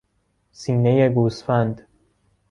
سینهی گوسفند